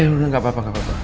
eh udah gapapa gapapa